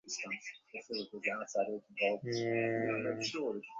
মহেন্দ্রের অপ্রসন্ন মুখ দেখিয়া বিহারীর রুদ্ধ আবেগ উচ্ছ্বসিত হইয়া উঠিল।